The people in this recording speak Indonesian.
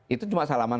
itu cuma salaman